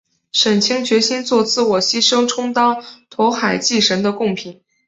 沈清决心作自我牺牲充当投海祭神的供品。